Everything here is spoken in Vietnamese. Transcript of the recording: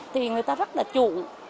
thì người ta rất là trụ